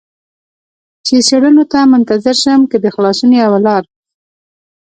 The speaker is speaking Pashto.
چې څېړنو ته منتظر شم، که د خلاصون یوه لار.